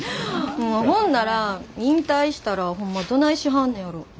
もうほんなら引退したらホンマどないしはんねやろ。